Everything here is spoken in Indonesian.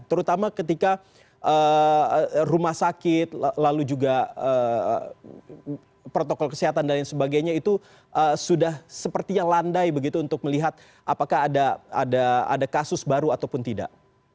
terutama ketika rumah sakit lalu juga protokol kesehatan dan lain sebagainya itu sudah sepertinya landai begitu untuk melihat apakah ada kasus baru ataupun tidak